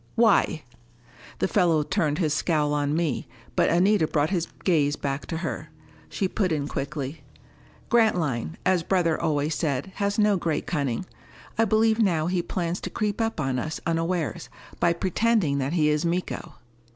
"Why?" The fellow turned his scowl on me, but Anita brought his gaze back to her. She put in quickly: "Grantline, as brother always said, has no great cunning. I believe now he plans to creep up on us unawares, by pretending that he is Miko."